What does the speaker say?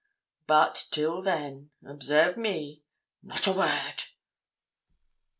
But till then, observe me, not a word.'